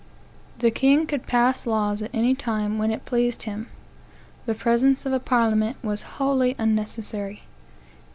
The king could pass laws at any time when it pleased him. The presence of a parliament was wholly unnecessary.